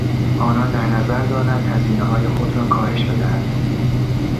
آنان در نظر دارند هزینههای خود را کاهش بدهند.